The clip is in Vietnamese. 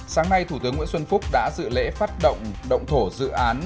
sáng nay thủ tướng nguyễn xuân phúc đã dự lễ phát động động thổ dự án